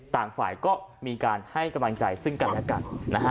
ต่างฝ่ายก็มีการให้กำลังใจซึ่งกันและกันนะฮะ